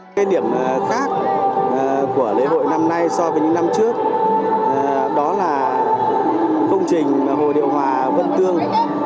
cái điểm khác của lễ hội năm nay so với những năm trước đó là công trình mà hồ điều hòa vân tương